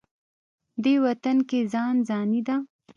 دې وطن کې ځان ځاني ده.